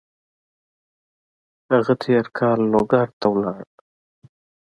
هغه تېر کال لوګر ته لاړ.